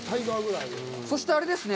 そしてあれですね。